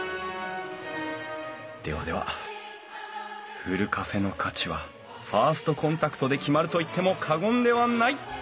ではではふるカフェの価値はファーストコンタクトで決まると言っても過言ではない！